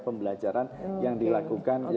pembelajaran yang dilakukan